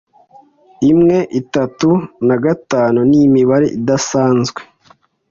Imwe, itatu, na gatanu ni imibare idasanzwe.